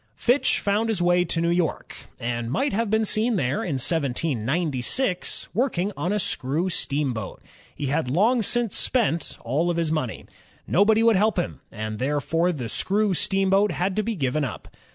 Fitch found his way to New York, and might have been seen there in 1796, working on a screw steamboat. He had long since spent all his own money. Nobody would help him, and therefore the screw steamboat had to be given up.